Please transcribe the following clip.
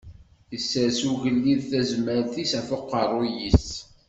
Isers ugellid tasmert-is ɣef uqerru-s.